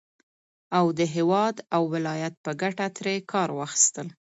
او د هېواد او ولايت په گټه ترې كار واخيستل